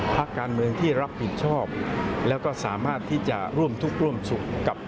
ภพการเมืองที่รับผิดชอบ